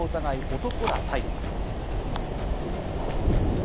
男ら逮捕。